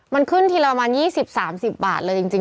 มันขึ้นทีละประมาณ๒๐๓๐บาทเลยจริง